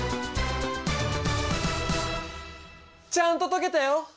ちゃんと解けたよ！